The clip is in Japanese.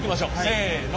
せの。